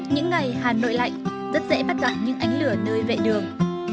những ngày hà nội lạnh rất dễ bắt gặp những ánh lửa nơi vệ đường